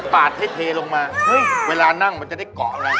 ปลาดให้เทลงมาเวลานั่งมันจะได้ก่อได้